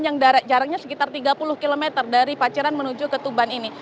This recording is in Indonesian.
yang jaraknya sekitar tiga puluh km dari paciran menuju ke tuban ini